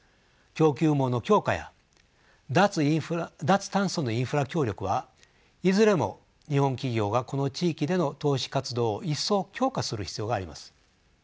供給網の強化や脱炭素のインフラ協力はいずれも日本企業がこの地域での投資活動をいっそう強化する必要があります。